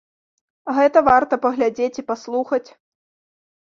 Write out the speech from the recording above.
Гэта варта паглядзець і паслухаць.